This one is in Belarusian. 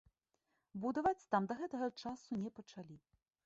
Будаваць там да гэтага часу не пачалі.